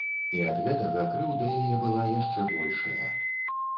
І ад гэтага крыўда яе была яшчэ большая.